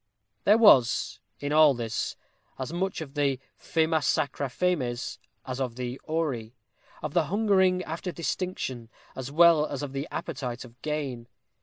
There was, in all this, as much of the "famæ sacra fames" as of the "auri;" of the hungering after distinction, as well as of the appetite of gain.